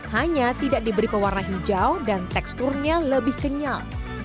hanya tidak diberi pewarna hijau dan teksturnya lebih kenyal